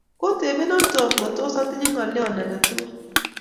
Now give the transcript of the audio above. kotebenan Tom ngo tos otinye ng'olyon age tugul